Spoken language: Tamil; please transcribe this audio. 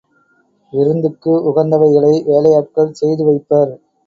விருந்துக்கு உகந்தவைகளை வேலையாட்கள் செய்து வைப்பர்.